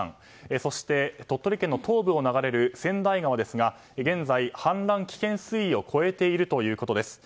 そして鳥取県の東部を流れる千代川ですが現在、氾濫危険水位を越えているということです。